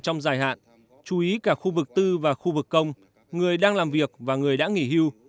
trong dài hạn chú ý cả khu vực tư và khu vực công người đang làm việc và người đã nghỉ hưu